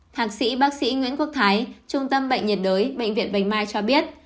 thạc sĩ bác sĩ nguyễn quốc thái trung tâm bệnh nhiệt đới bệnh viện bạch mai cho biết